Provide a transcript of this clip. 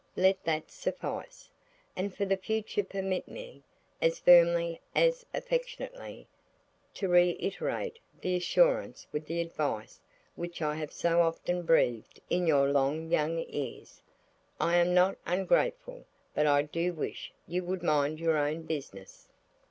Let that suffice. And for the future permit me, as firmly as affectionately, to reiterate the assurance and the advice which I have so often breathed in your long young ears, 'I am not ungrateful; but I do wish you would mind your own business.'"